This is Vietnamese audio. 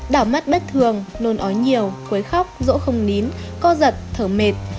đảo mắt bất thường nôn ói nhiều quấy khóc rỗ không nín co giật thở mệt